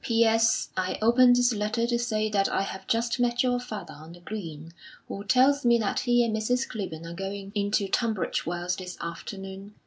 "P.S. I open this letter to say that I have just met your father on the Green, who tells me that he and Mrs. Clibborn are going into Tunbridge Wells this afternoon.